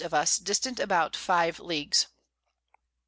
of us, distant about 5 Leagues.